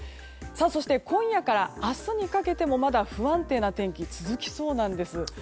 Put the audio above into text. そして今夜から明日にかけてもまだ不安定な天気が続きそうなんです。